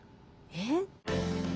えっ。